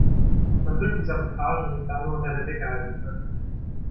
Man wird die Sabotage nicht lange unter der Decke halten können.